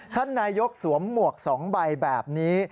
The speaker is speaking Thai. ท่านนายกสวมหมวก๒ใบแบบนี้